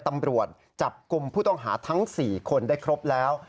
ตำรวจจับกลุ่มผู้ต้องหาทั้ง๔คนได้ครบแล้ว